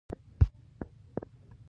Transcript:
عطایي د ژبې د دودیزو ارزښتونو دفاع کړې ده.